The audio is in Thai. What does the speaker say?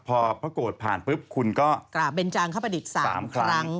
พอประกอบผ่านปุ๊บคุณก็กลับเป็นจางข้าวประดิษฐ์๓ครั้ง